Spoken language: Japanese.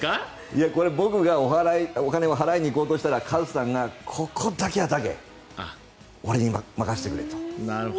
いや、これ僕がお金を払いに行こうとしたらカズさんが、ここだけはタケ、俺に任せてくれと。